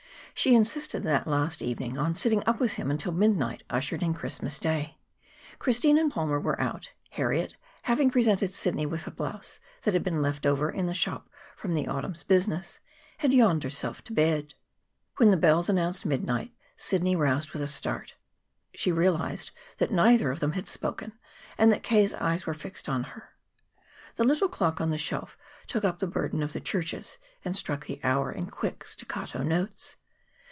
She insisted, that last evening, on sitting up with him until midnight ushered in Christmas Day. Christine and Palmer were out; Harriet, having presented Sidney with a blouse that had been left over in the shop from the autumn's business, had yawned herself to bed. When the bells announced midnight, Sidney roused with a start. She realized that neither of them had spoken, and that K.'s eyes were fixed on her. The little clock on the shelf took up the burden of the churches, and struck the hour in quick staccato notes.